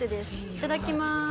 いただきまーす。